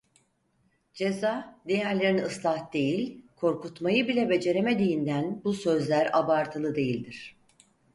Ceza, diğerlerini ıslah değil, korkutmayı bile beceremediğinden bu sözler abartılı değildir.